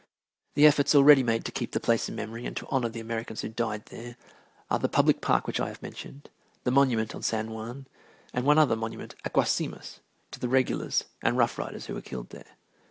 The efforts already made to keep the place in memory and to honor the Americans who died there are the public park which I have mentioned, the monument on San Juan, and one other monument at Guasimas to the regulars and Rough Riders who were killed there.